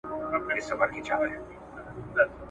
د هغې ورځي په تمه سپینوم تیارې د عمر `